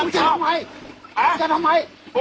อ่ะช่วยเกี่ยวเอาเอาใครมา